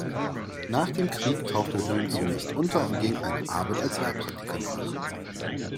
Nach dem Krieg tauchte Höhn zunächst unter und ging einer Arbeit als Heilpraktiker nach.